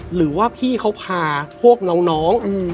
หรือว่าพี่เขาพาพวกน้อง